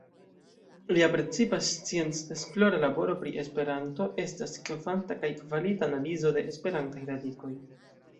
Lia precipa scienc-esplora laboro pri Esperanto estas kvanta kaj kvalita analizo de Esperantaj radikoj.